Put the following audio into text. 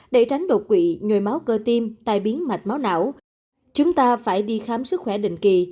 để tránh đột quỵ nhồi máu cơ tim tai biến mạch máu não chúng ta phải đi khám sức khỏe định kỳ